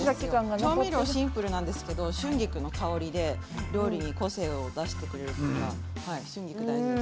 調味料はシンプルなんですが春菊の香りで個性を出してくれるので春菊は大事です。